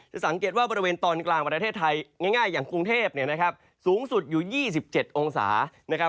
จะสังเกตว่าบริเวณตอนกลางประเทศไทยง่ายอย่างกรุงเทพฯสูงสุดอยู่๒๗องศา